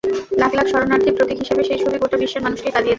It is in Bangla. লাখ লাখ শরণার্থীর প্রতীক হিসেবে সেই ছবি গোটা বিশ্বের মানুষকে কাঁদিয়েছে।